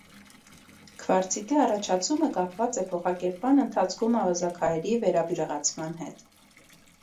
Քվարցիտի առաջացումը կապված է փոխակերպման ընթացքում ավազաքարերի վերաբյուրեղացման հետ։